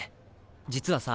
実はさ